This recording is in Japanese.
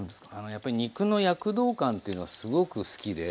やっぱり肉の躍動感っていうのがすごく好きで。